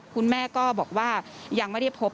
คุณแม่ก็บอกว่ายังไม่ได้พบ